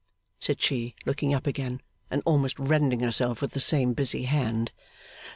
said she, looking up again, and almost rending herself with the same busy hand.